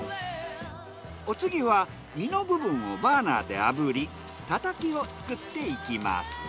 お次は身の部分をバーナーで炙りタタキを作っていきます。